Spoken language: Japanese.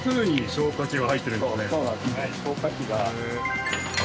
消火器が。